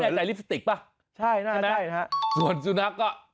นี่แทนจ่ายลิปสติกป่ะใช่นะใช่ส่วนซูนักก็